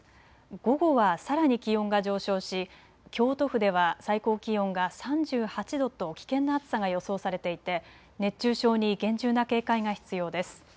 午後はさらに気温が上昇し京都府では最高気温が３８度と危険な暑さが予想されていて熱中症に厳重な警戒が必要です。